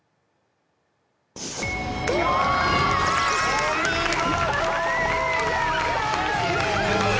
お見事。